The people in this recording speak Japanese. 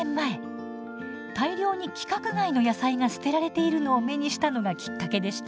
大量に規格外の野菜が捨てられているのを目にしたのがきっかけでした。